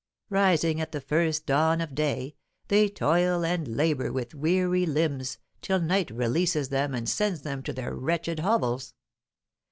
Rising at the first dawn of day, they toil and labour with weary limbs, till night releases them and sends them to their wretched hovels.